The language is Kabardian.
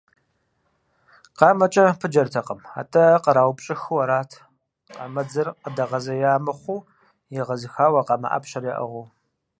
КъамэкӀэ пыджэртэкъым, атӀэ къраупщӀэхыу арат, къамэдзэр къыдэгъэзеяуэ мыхъуу, егъэзыхауэ, къамэ Ӏэпщэр яӀыгъыу.